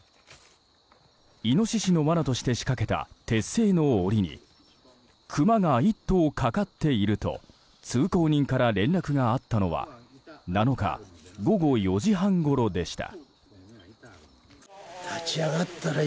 イノシシの罠として仕掛けた鉄製の檻にクマが１頭かかっていると通行人から連絡があったのは７日午後４時半ごろでした。